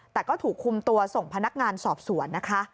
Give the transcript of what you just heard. แต่ก็ถูกคุมตัวส่งพนักงานสอบสวนนะคะ